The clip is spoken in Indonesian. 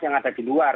yang ada di luar